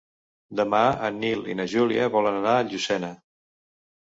Demà en Nil i na Júlia volen anar a Llucena.